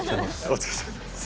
お疲れさまです